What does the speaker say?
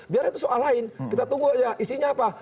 biar itu soal lain kita tunggu aja isinya apa